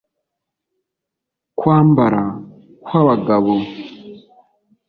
kwambara kw'abagabo